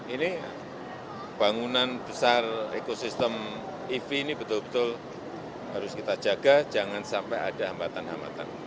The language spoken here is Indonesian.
ini bangunan besar ekosistem ev ini betul betul harus kita jaga jangan sampai ada hambatan hambatan